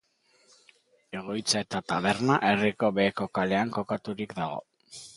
Egoitza eta taberna herriko Beheko kalean kokaturik dago.